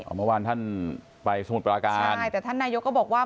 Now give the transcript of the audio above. เมื่อวานท่านไปสมุทรปราการใช่แต่ท่านนายกก็บอกว่า